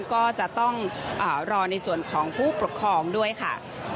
ก็จะต้องรอในส่วนของผู้ปกครองด้วยค่ะ